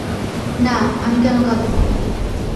না, আমি কেন কাদবো?